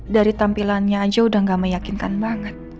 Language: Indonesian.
dari tampilannya aja udah gak meyakinkan banget